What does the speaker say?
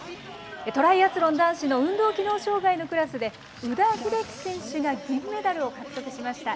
トライアスロン男子の運動機能障害のクラスで、宇田秀生選手が銀メダルを獲得しました。